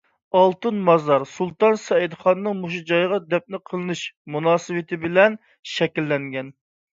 ئالتۇن مازار سۇلتان سەئىدخاننىڭ مۇشۇ جايغا دەپنە قىلىنىش مۇناسىۋىتى بىلەن شەكىللەنگەن.